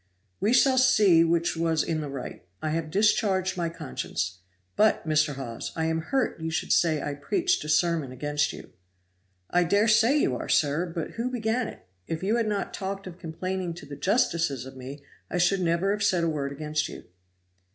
"We shall see which was in the right. I have discharged my conscience. But, Mr. Hawes, I am hurt you should say I preached a sermon against you." "I dare say you are, sir, but who began it; if you had not talked of complaining to the justices of me, I should never have said a word against you."